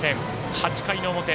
８回の表。